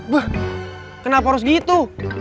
bah kenapa harus gitu